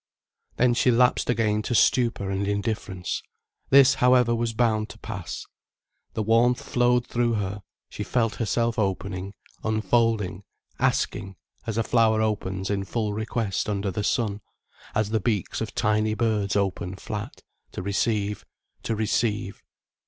Then she lapsed again to stupor and indifference. This, however, was bound to pass. The warmth flowed through her, she felt herself opening, unfolding, asking, as a flower opens in full request under the sun, as the beaks of tiny birds open flat, to receive, to receive.